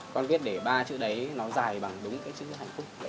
con viết để ba chữ đấy nó dài bằng đúng cái chữ hạnh phúc